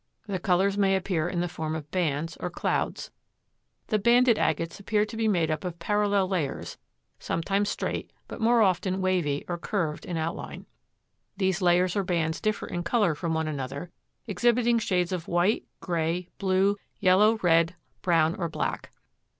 The colors may appear in the form of bands or clouds. The banded agates appear to be made up of parallel layers, sometimes straight, but more often wavy or curved in outline. These layers or bands differ in color from one another, exhibiting shades of white, gray, blue, yellow, red, brown or black.